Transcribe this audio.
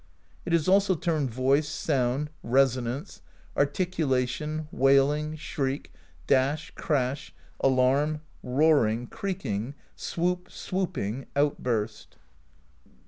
It is also termed voice, sound, re sonance, articulation, wailing, shriek, dash, crash, alarm, roaring, creaking, swoop, swooping, outburst.